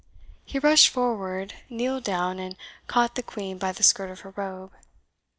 He rushed forward, kneeled down, and caught the Queen by the skirt of her robe.